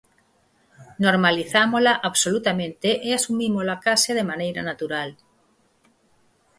Normalizámola absolutamente e asumímola case de maneira natural.